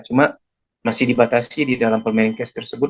cuma masih dibatasi di dalam permain case tersebut